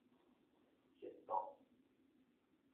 黑洞